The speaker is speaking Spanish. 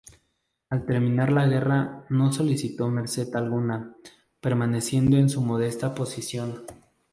Al terminar la guerra no solicitó merced alguna, permaneciendo en su modesta posición.